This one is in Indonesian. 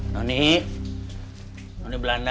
noni noni belanda